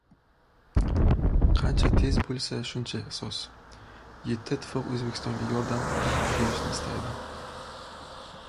«Qancha tez bo‘lsa, shuncha soz». Yevroittifoq O‘zbekistonga yordam berishni istaydi